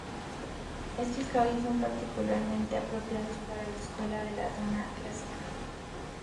Estos caballos son particularmente apropiados para la alta escuela de la doma clásica.